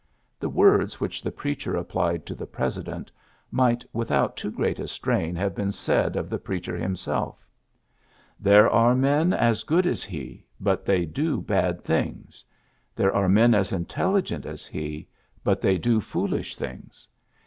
The words which the preacher applied to the President might without too great a strain have been said of the preacher himself: ^^ There are men as good as he, but they do bad things. There are men as intelligent as he, but they do foolish things.